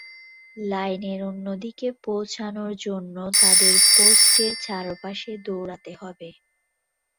লাইনের অন্যদিকে পৌঁছানোর জন্য তাদের পোস্টের চারপাশে দৌড়াতে হবে।